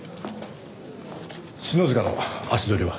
篠塚の足取りは？